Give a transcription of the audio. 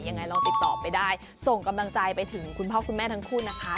ยังไงลองติดต่อไปได้ส่งกำลังใจไปถึงคุณพ่อคุณแม่ทั้งคู่นะคะ